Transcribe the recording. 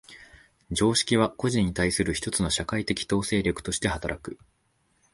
常識は個人に対する一つの社会的統制力として働く。